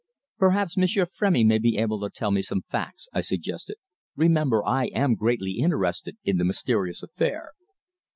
"Perhaps M'sieur Frémy may be able to tell me some facts," I suggested. "Remember, I am greatly interested in the mysterious affair."